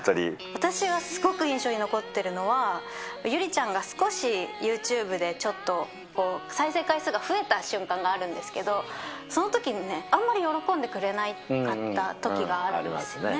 私がすごく印象に残っているのは、優里ちゃんが少しユーチューブでちょっと、再生回数が増えた瞬間があるんですけど、そのときにね、あんまり喜んでくれなかったときがあるんですよね。